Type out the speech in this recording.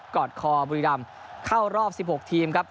อดคอบุรีดำเข้ารอบ๑๖ทีมครับ